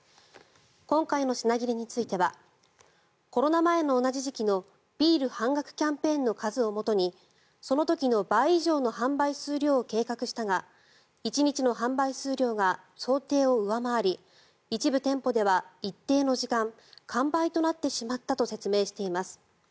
今回の品切れについてはコロナ前の同じ時期のビール半額キャンペーンの数をもとにその時の倍以上の販売数量を計画したが１日の販売数量が想定を上回り一部店舗では一定の時間完売となってしまったと説明しています。